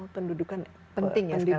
pendudukan pendidikan inklusif